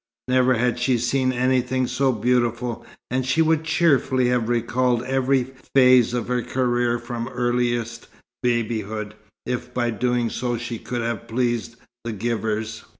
Never had she seen anything so beautiful, and she would cheerfully have recalled every phase of her career from earliest babyhood, if by doing so she could have pleased the givers.